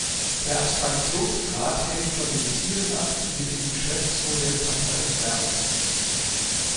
Der Abstraktionsgrad hängt von den Zielen ab, die mit dem Geschäftsmodell verfolgt werden.